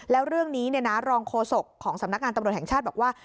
แล้วเรื่องนี้รองโฆษกของสำนักงานตำรวจแห่งชาติบอกว่า